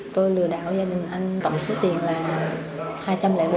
tôi lừa đảo gia đình anh tổng số tiền là hai trăm linh bốn